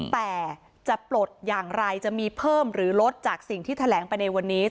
แต่จะปลดอย่างไรจะมีเพิ่มหรือลดจากสิ่งที่แถลงไปในวันนี้